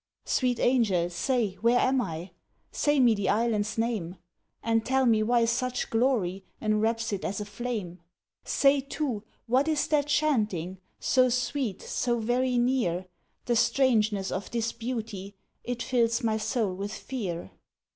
"Sweet Angel, say, where am I,— Say me the Island's name, And tell me why such glory, Enwraps it as a flame? Say, too, what is that chanting, So sweet, so very near, The strangeness of this beauty It fills my soul with fear?"